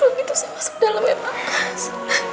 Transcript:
kalau gitu saya masuk dalem yang pangkas